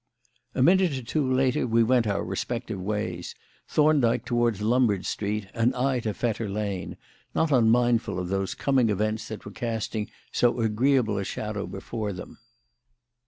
A minute or two later we went our respective ways, Thorndyke towards Lombard Street and I to Fetter Lane, not unmindful of those coming events that were casting so agreeable a shadow before them.